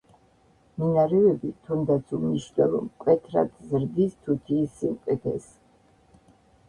მინარევები, თუნდაც უმნიშვნელო მკვეთრად ზრდის თუთიის სიმყიფეს.